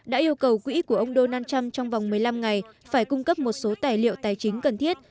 đã yêu cầu quỹ của ông donald trump trong vòng một mươi năm ngày phải cung cấp một số tài liệu tài chính cần thiết